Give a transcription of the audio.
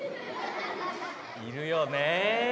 いるよね。